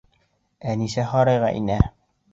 Әнисә һарайға инә.